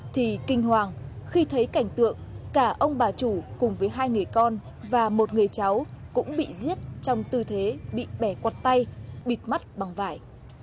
thì kinh hoàng khi thấy cảnh tượng cả ông bà chủ cùng với hai người con và một người cháu cũng bị giết trong tư thế bị bẻ quạt tay bịt mắt bằng vải